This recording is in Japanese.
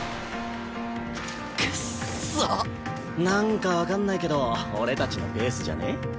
なんかわかんないけど俺たちのペースじゃね？